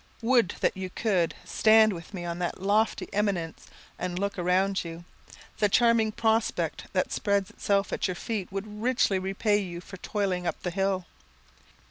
Would that you could stand with me on that lofty eminence and look around you! The charming prospect that spreads itself at your feet would richly repay you for toiling up the hill.